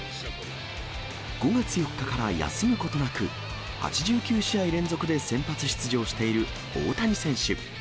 ５月４日から休むことなく、８９試合連続で先発出場している大谷選手。